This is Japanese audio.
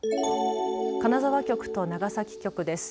金沢局と長崎局です。